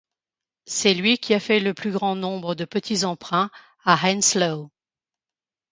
C'est lui qui a fait le plus grand nombre de petits emprunts à Henslowe.